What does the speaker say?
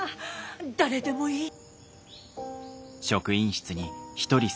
誰でもいい。